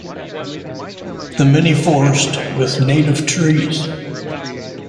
The mini-forest with native trees.